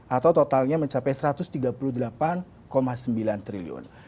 atau totalnya mencapai satu ratus tiga puluh delapan sembilan triliun